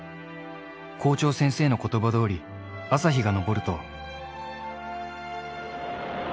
校長先生のことばどおり、朝日が昇ると。